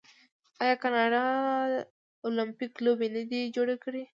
آیا کاناډا المپیک لوبې نه دي جوړې کړي؟